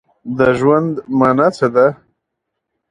د ژوند مانا څه ده؟